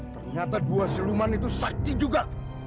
ternyata dua seluman itu saksi juga